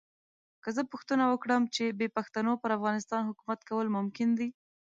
که زه پوښتنه وکړم چې بې پښتنو پر افغانستان حکومت کول ممکن دي.